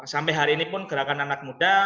sampai hari ini pun gerakan anak muda